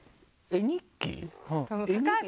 絵日記？